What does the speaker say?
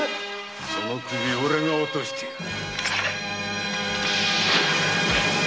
その首オレが落としてやる。